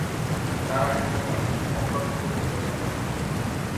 তার আগে কোনো অপরাধমূলক রেকর্ড ছিল না।